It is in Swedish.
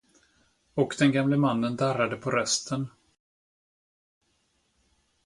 Och den gamle mannen darrade på rösten.